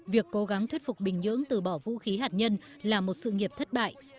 việc cố gắng thuyết phục bình nhưỡng từ bỏ vũ khí hạt nhân là một sự nghiệp thất bại